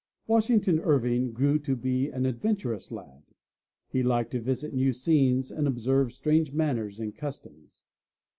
Washington Irving grew to be an adventurous lad. He liked to visit new scenes and observe strange manners and customs.